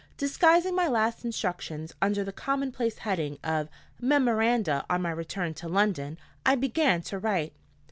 Disguising my last instructions under the commonplace heading of "Memoranda on my return to London," I began to write.